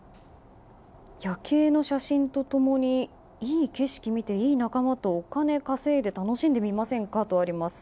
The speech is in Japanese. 夜景の写真と共にいい景色を見ていい仲間とお金稼いで楽しんでみませんかとあります。